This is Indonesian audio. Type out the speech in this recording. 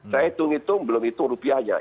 saya hitung hitung belum hitung rupiahnya